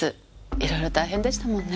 いろいろ大変でしたものね。